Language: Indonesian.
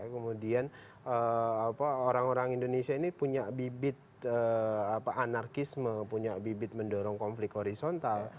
kemudian orang orang indonesia ini punya bibit anarkisme punya bibit mendorong konflik horizontal